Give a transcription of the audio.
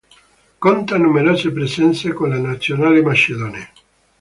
Conta numerose presenze con la Nazionale macedone.